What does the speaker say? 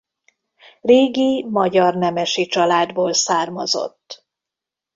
Régi magyar nemesi családból származott.